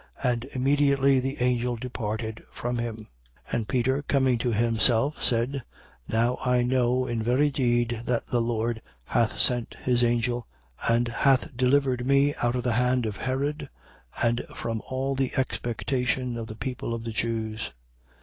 And immediately the angel departed from him. 12:11. And Peter coming to himself, said: Now I know in very deed that the Lord hath sent his angel and hath delivered me out of the hand of Herod and from all the expectation of the people of the Jews.